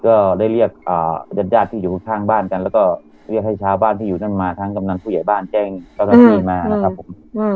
ก็ได้เรียกญาติญาติที่อยู่ข้างบ้านกันแล้วก็เรียกให้ชาวบ้านที่อยู่นั่นมาทั้งกำนันผู้ใหญ่บ้านแจ้งเจ้าหน้าที่มานะครับผม